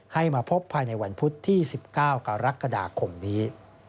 ให้มาพบภายในวันพุธที่๑๙กรกฎาคมนี้